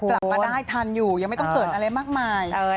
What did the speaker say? กลับมาได้ทันอยู่ยังไม่ต้องเกิดอะไรมากมาย